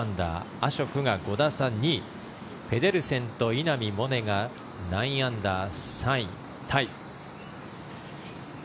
アショクが５打差、２位ペデルセンと稲見萌寧が９アンダー、３位タイ。